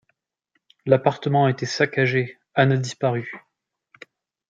L'appartement a été saccagé, Anne a disparu.